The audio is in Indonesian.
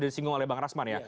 disinggung oleh bang rasman ya